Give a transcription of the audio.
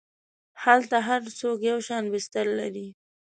هلته هر څوک یو شان بستر لري.